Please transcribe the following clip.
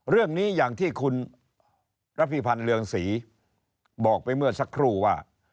เรื่องนี้อย่างที่คุณระพิพันธ์เรืองศรีบอกไปเมื่อสักครู่ว่า